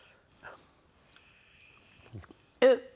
えっ。